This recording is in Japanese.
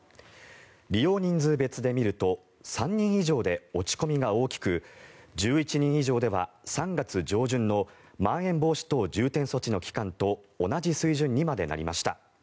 利用人数別で見ると３人以上で落ち込みが大きく１１人以上では３月上旬のまん延防止等重点措置の期間と同じ水準にまでなりました。